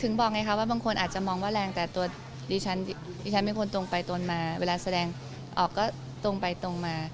บอกไงคะว่าบางคนอาจจะมองว่าแรงแต่ตัวดิฉันดิฉันเป็นคนตรงไปตรงมาเวลาแสดงออกก็ตรงไปตรงมา